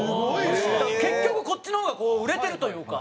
結局こっちの方がこう売れてるというか。